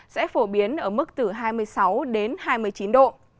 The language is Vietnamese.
sẽ phổ biến ở mức từ hai mươi sáu đến hai mươi chín độ